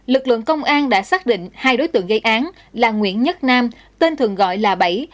lực lượng công an đã xác định hai đối tượng gây án là nguyễn nhất nam tên thường gọi là bảy